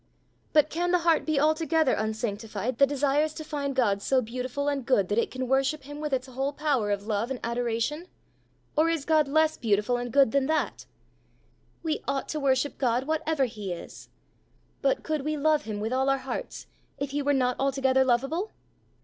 But can the heart be altogether unsanctified that desires to find God so beautiful and good that it can worship him with its whole power of love and adoration? Or is God less beautiful and good than that?" "We ought to worship God whatever he is." "But could we love him with all our hearts if he were not altogether lovable?"